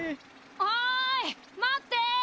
おい待って！